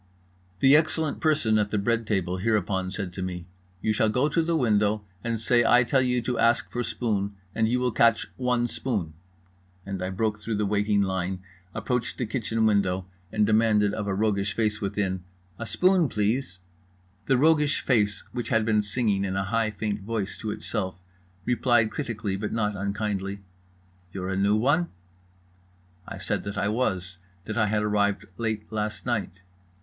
The excellent person at the bread table hereupon said to me: "You shall go to the window and say I tell you to ask for spoon and you will catch one spoon"—and I broke through the waiting line, approached the kitchen window, and demanded of a roguish face within: "A spoon, please." The roguish face, which had been singing in a high faint voice to itself, replied critically but not unkindly: "You're a new one?" I said that I was, that I had arrived late last night.